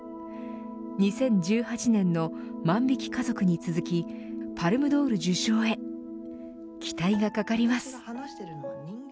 ２０１８年の万引き家族に続きパルム・ドール受賞へ期待が懸かります。